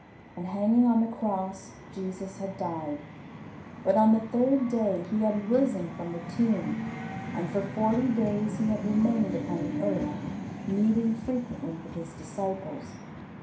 And hanging on the cross, Jesus had died. But on the third day He had risen from the tomb, and for forty days He had remained upon the earth, meeting frequently with His disciples.